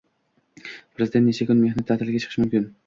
Prezident necha kun mehnat taʼtiliga chiqishi mumkin?